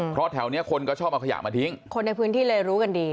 เพราะแถวนี้คนก็ชอบเอาขยะมาทิ้งคนในพื้นที่เลยรู้กันดี